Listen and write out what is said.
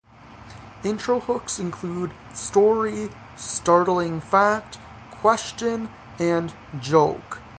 Intro hooks include "story", "startling fact", "question", and "joke".